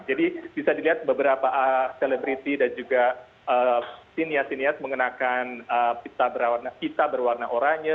jadi bisa dilihat beberapa selebriti dan juga sinias sinias mengenakan pita berwarna oranya